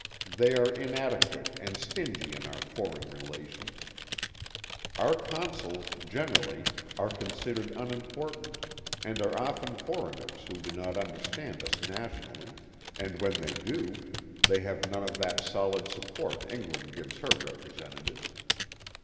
They are inadequate and stingy in our foreign relations. Our Consuls (generally) are considered unimportant and are 152 THE HAT OF THE POSTMASTER. often foreigners who do not understand us nationally, and when they do, they have none of that solid support England gives her repre sentatives.